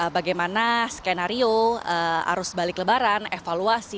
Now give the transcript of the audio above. bagaimana skenario arus balik lebaran evaluasi